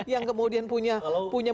yang kemudian punya